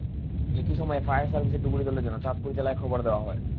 একই সময় ফায়ার সার্ভিসের ডুবুরি দলের জন্য চাঁদপুর জেলায় খবর দেওয়া হয়।